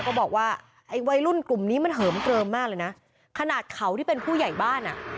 ก็บอกว่าไอ้วัยรุ่นกลุ่มนี้มันเหิมเกลิมมากเลยนะขนาดเขาที่เป็นผู้ใหญ่บ้านอ่ะ